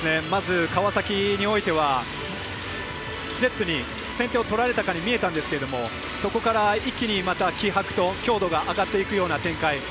まず、川崎においてはジェッツに先手を取られたかに見えたんですけどそこから一気にまた気迫と強度が上がっていくような展開。